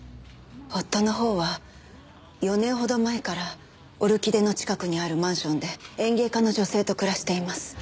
夫のほうは４年ほど前からオルキデの近くにあるマンションで園芸家の女性と暮らしています。